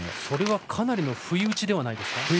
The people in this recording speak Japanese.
それはかなりの不意打ちではないですか。